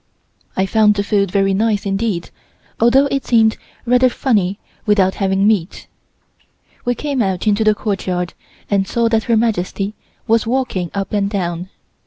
I found the food very nice indeed, although it seemed rather funny without having meat. We came out into the courtyard and saw that Her Majesty was walking up and down.